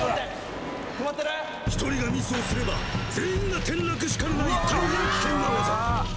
［１人がミスをすれば全員が転落しかねない大変危険な技］